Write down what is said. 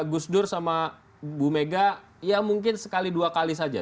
gus dur sama bu mega ya mungkin sekali dua kali saja